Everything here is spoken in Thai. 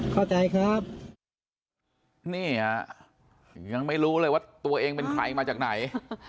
เข้าใจครับนี่ฮะยังไม่รู้เลยว่าตัวเองเป็นใครมาจากไหน